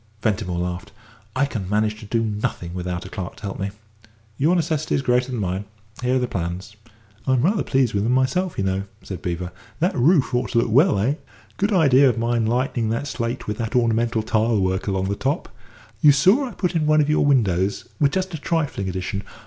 Ventimore laughed. "I can manage to do nothing without a clerk to help me. Your necessity is greater than mine. Here are the plans." "I'm rather pleased with 'em myself, you know," said Beevor; "that roof ought to look well, eh? Good idea of mine lightening the slate with that ornamental tile work along the top. You saw I put in one of your windows with just a trifling addition.